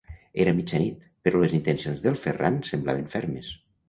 Era mitjanit, però les intencions del Ferran semblaven fermes.